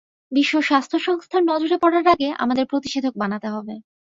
বিশ্ব স্বাস্থ্য সংস্থার নজরে পড়ার আগে আমাদের প্রতিষেধক বানাতে হবে।